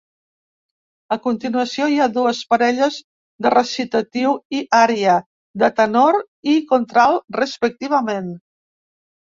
A continuació hi ha dues parelles de recitatiu i ària, de tenor i contralt, respectivament.